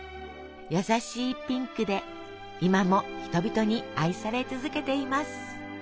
優しいピンクで今も人々に愛され続けています。